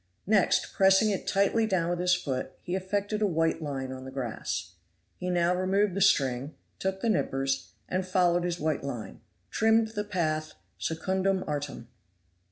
Next pressing it tightly down with his foot, he effected a white line on the grass. He now removed the string, took the knippers, and following his white line, trimmed the path secundum artem.